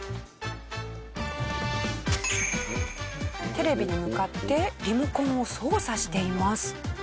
テレビに向かってリモコンを操作しています。